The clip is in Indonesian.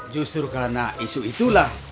justru karena isu itulah